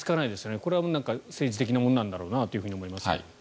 これは政治的なものなんだろうなと思いますが。